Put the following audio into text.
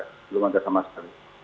belum ada sama sekali